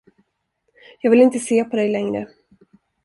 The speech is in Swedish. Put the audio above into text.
Jag vill inte se på dig längre.